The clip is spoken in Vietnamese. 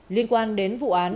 liên quan đến vụ án